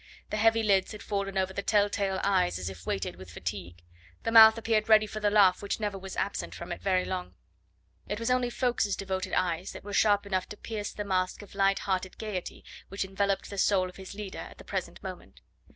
The heavy lids had fallen over the tell tale eyes as if weighted with fatigue, the mouth appeared ready for the laugh which never was absent from it very long. It was only Ffoulkes's devoted eyes that were sharp enough to pierce the mask of light hearted gaiety which enveloped the soul of his leader at the present moment.